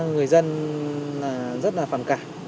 người dân rất là phản cảm